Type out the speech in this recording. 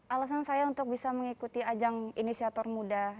alasan saya untuk bisa mengikuti ajang inisiator muda